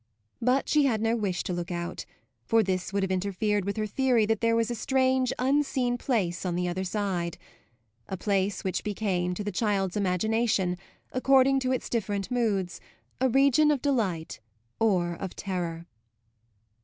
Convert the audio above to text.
But she had no wish to look out, for this would have interfered with her theory that there was a strange, unseen place on the other side a place which became to the child's imagination, according to its different moods, a region of delight or of terror.